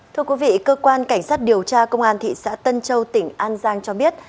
thưa quý vị cơ quan cảnh sát điều tra công an thị xã tân châu tỉnh an giang cho biết